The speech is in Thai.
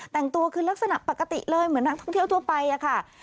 แต่งตัวคือลักษณะปกติเลยเหมือนนักท่องเที่ยวทั่วไปอะค่ะ